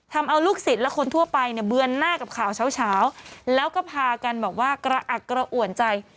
ทำเอาลูกศิษย์และคนทั่วไปเนี่ยเบือนหน้ากับข่าวเช้าเช้าแล้วก็พากันแบบว่ากระอักกระอ่วนใจ